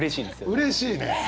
うれしいね。